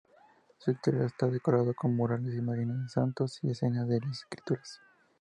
Su interior está decorado con murales, imágenes de santos y escenas de las escrituras.